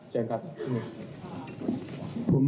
เชิญครับ